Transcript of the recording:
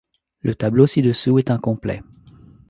Le tableau ci-dessous est incomplet.